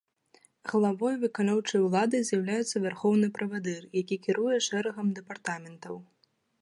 Главой выканаўчай улады з'яўляецца вярхоўны правадыр, які кіруе шэрагам дэпартаментаў.